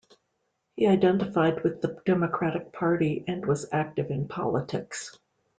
He identified with the Democratic Party, and was active in politics.